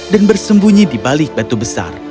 bersembunyi di balik batu besar